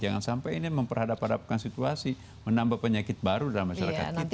jangan sampai ini memperhadap hadapkan situasi menambah penyakit baru dalam masyarakat kita